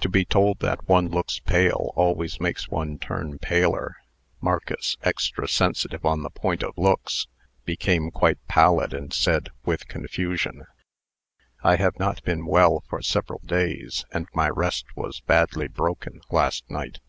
To be told that one looks pale, always makes one turn paler. Marcus, extra sensitive on the point of looks, became quite pallid, and said, with confusion: "I have not been well for several days, and my rest was badly broken last night."